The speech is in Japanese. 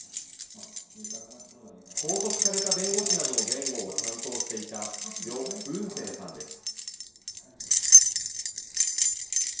拘束された弁護士などの弁護を担当していた余文生さんです。